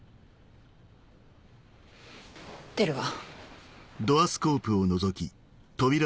出るわ。